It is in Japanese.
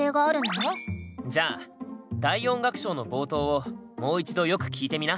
じゃ第４楽章の冒頭をもう一度よく聴いてみな。